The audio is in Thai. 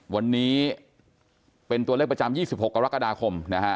วันนี้เป็นตัวเลขประจำ๒๖กรกฎาคมนะฮะ